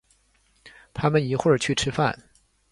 他们一会儿去吃饭。